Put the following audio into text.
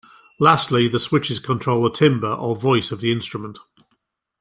Lastly, the switches control the timbre or voice of the instrument.